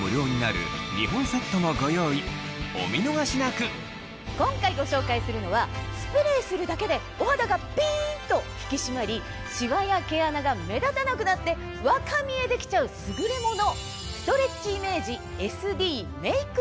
お見逃しなく今回ご紹介するのはスプレーするだけでお肌がピンと引き締まりシワや毛穴が目立たなくなって若見えできちゃう優れもの。